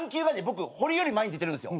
僕ほりより前に出てるんすよ。